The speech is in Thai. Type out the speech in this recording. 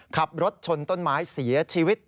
ขับรถชนต้นไม้เสียชีวิต